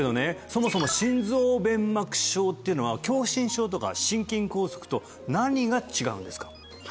そもそも心臓弁膜症っていうのは狭心症とか心筋梗塞と何が違うんですか？